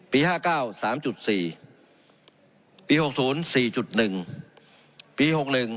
ปี๕๙๓๔ปี๖๐๔๑ปี๖๑๔๒